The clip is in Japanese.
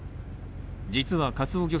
実はカツオ漁